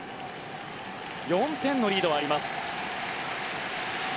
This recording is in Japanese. ４点のリードがあります。